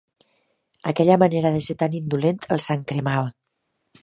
Aquella manera de ser tan indolent el sangcremava.